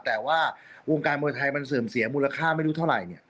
แต่ว่าวงการมวยไทยมันเสื่อมเสียมูลค่าไม่รู้เท่าไหร่